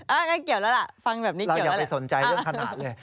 อ้าวนี่เกี่ยวแล้วล่ะฟังแบบนี้เกี่ยวแล้วเราอยากไปสนใจเรื่องขนาดเลย